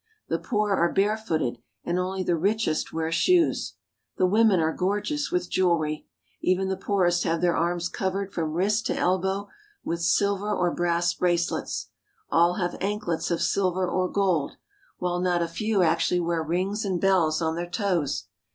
The poor are barefooted, and only the richest wear shoes. The women are gorgeous with jewelry. Even the poorest have their arms covered from wrist to elbow with silver or brass bracelets. All have anklets of silver or gold, while not a few actually wear rings and bells on their toes.